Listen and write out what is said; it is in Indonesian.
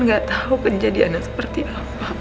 nggak tahu kejadiannya seperti apa